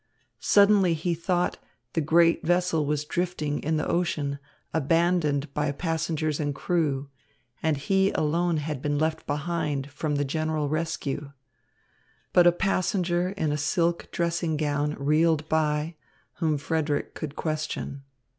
Suddenly he thought the great vessel was drifting in the ocean abandoned by passengers and crew, and he alone had been left behind from the general rescue. But a passenger in a silk dressing gown reeled by, whom Frederick could question.